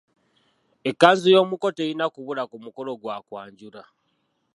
Ekkanzu y’omuko terina kubula ku mukolo gwa kwanjula.